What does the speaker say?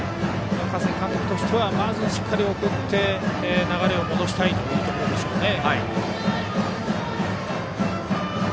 川崎監督としてはまずしっかり送って流れを戻したいところですね。